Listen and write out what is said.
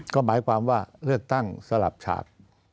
ก็หมายความว่าเลือกตั้งสลับฉาก